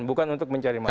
bukan untuk mencari masalah